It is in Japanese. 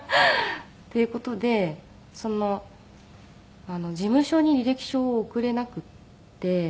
っていう事で事務所に履歴書を送れなくて。